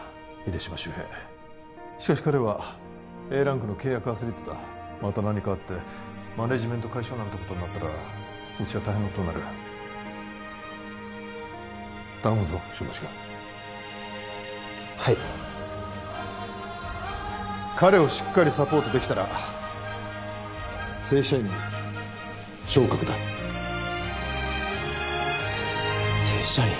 秀島修平しかし彼はＡランクの契約アスリートだまた何かあってマネージメント解消なんてことになったらうちは大変なことになる頼むぞ新町君はい彼をしっかりサポートできたら正社員に昇格だ正社員